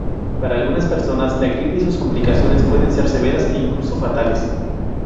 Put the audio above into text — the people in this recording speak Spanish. Para algunas personas la gripe y sus complicaciones pueden ser severas e incluso fatales.